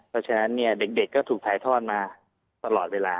เพราะฉะนั้นเนี่ยเด็กก็ถูกถ่ายทอดมาตลอดเวลา